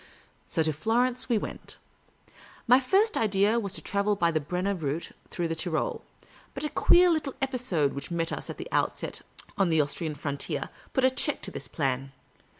So to Florence we went. My first idea was to travel by the Brenner route through the Tyrol ; but a queer little episode which met us at the outset on the Austrian frontier put a check to this plan.